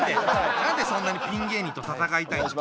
何でそんなにピン芸人と戦いたいの？